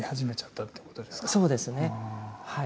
そうですねはい。